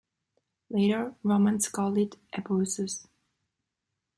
Later Romans called it Ebusus.